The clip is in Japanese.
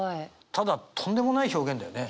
ただとんでもない表現だよね。